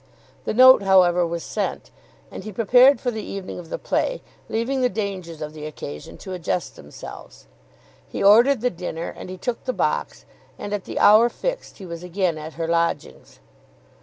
The note, however, was sent, and he prepared for the evening of the play, leaving the dangers of the occasion to adjust themselves. He ordered the dinner and he took the box, and at the hour fixed he was again at her lodgings.